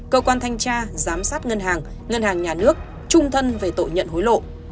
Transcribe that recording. cơ quan thanh tra giám sát ngân hàng ngân hàng nhà nước trung thân về tội nhận hối lộ